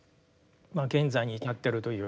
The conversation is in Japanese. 現在に至ってるという。